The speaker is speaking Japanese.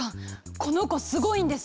この子すごいんです！